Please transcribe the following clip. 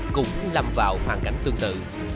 cũng làm vào hoàn cảnh tương tự